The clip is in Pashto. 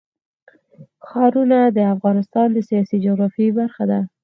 ښارونه د افغانستان د سیاسي جغرافیه برخه ده.